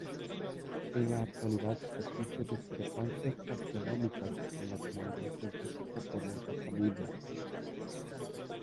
En la actualidad existen discrepancias taxonómicas en la comunidad científica con esta familia.